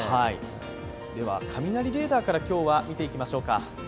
雷レーダーから今日は見ていきましょうか。